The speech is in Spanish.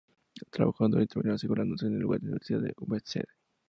Trabajó duro y terminó asegurándose un lugar en la Universidad de Waseda.